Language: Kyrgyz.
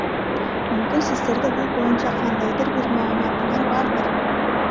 Мүмкүн сиздерде бул боюнча кандайдыр бир маалыматтарыңар бардыр?